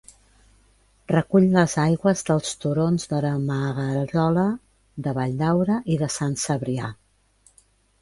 Recull les aigües dels turons de la Magarola, de Valldaura i de Sant Cebrià.